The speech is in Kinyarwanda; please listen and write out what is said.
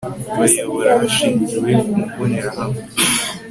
bayobora hashingiwe ku mbonerahamwe